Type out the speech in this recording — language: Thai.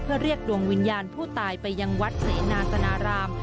เพื่อเรียกดวงวิญญาณผู้ตายไปยังวัดเสนาสนาราม